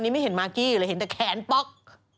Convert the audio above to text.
นี่ไม่เห็นมากกี้เลยเห็นแต่แขนป๊อก